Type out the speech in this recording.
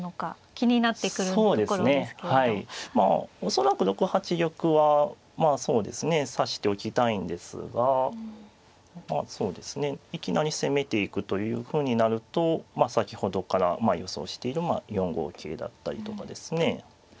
恐らく６八玉はまあそうですね指しておきたいんですがまあそうですねいきなり攻めていくというふうになるとまあ先ほどから予想している４五桂だったりとかですね